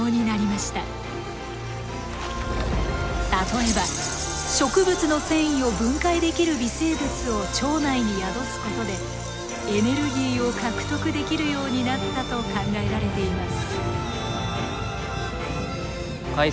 例えば植物の繊維を分解できる微生物を腸内に宿すことでエネルギーを獲得できるようになったと考えられています。